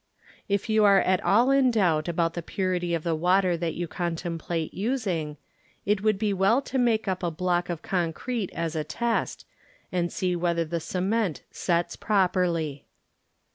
' If you are at all in doubt about the purity of the water that you contemplate using, it would be well to make up a block of concrete as a test, and see whether the cement "sets" properly.